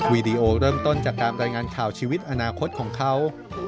วีดีโอเริ่มต้นจากการรายงานข่าวชีวิตอนาคตของเขา